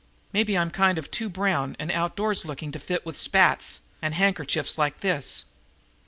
Maybe I'm kind of too brown and outdoors looking to fit with spats and handkerchiefs like this."